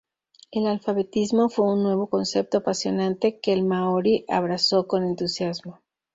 El alfabetismo fue un nuevo concepto apasionante, que el maorí abrazó con entusiasmo.